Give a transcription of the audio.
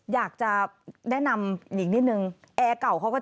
อยากจะแนะนำอีกนิดนึงแอร์เก่าก็แจ้งนะ